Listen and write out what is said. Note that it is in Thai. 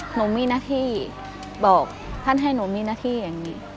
หนูมีหน้าที่บอกท่านให้หนูมีหน้าที่อย่างนี้